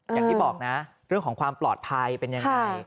อย่างที่บอกนะเรื่องของความปลอดภัยเป็นยังไง